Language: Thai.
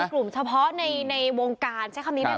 กลุ่มเฉพาะในวงการใช้คำนี้ได้ไหม